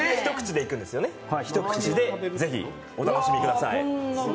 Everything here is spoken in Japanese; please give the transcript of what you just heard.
一口でぜひ、お楽しみください。